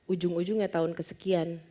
ujung ujungnya tahun kesekian